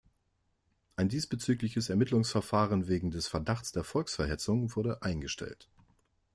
Ein diesbezügliches Ermittlungsverfahren wegen des Verdachts der Volksverhetzung wurde eingestellt.